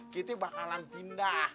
kita bakalan tindak